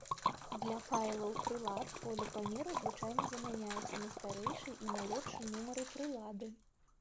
Для файлаў прылад, поле памеру звычайна замяняецца на старэйшы і малодшы нумары прылады.